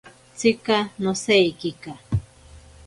Tsika nosaikika.